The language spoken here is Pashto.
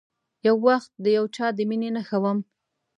یو وخت د یو چا د میینې نښه وم